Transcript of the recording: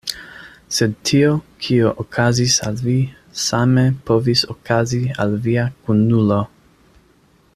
Sed tio, kio okazis al vi, same povis okazi al via kunulo.